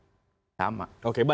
itu enggak anak enggak perempuan